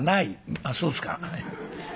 あっそうですか」。